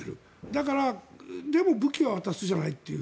だから、でも武器は渡すじゃないっていう。